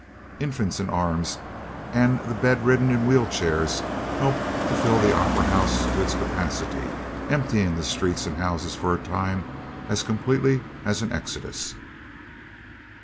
Infants in arms and the bedridden in wheel chairs, helped to fill the Opera House to its capacity, emptying the streets and houses for a time as completely as an exodus.